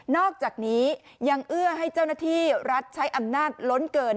อกจากนี้ยังเอื้อให้เจ้าหน้าที่รัฐใช้อำนาจล้นเกิน